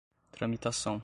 tramitação